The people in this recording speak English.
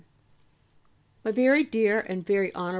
MY VERY DEAR AND VERY HON.